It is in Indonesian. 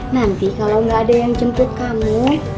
nanti kalau gak ada yang cengkuk kamu